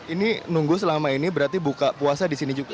ini nunggu selama ini berarti buka puasa di sini juga